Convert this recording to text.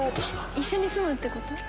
一緒に住むってこと？